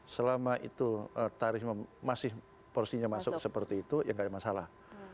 selama itu tarif masih porsinya masuk seperti itu ya nggak ada masalah